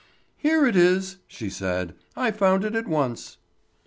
"Here it is," said she, "I found it at once."